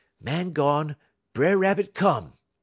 "Màn gone, B'er Rabbit come.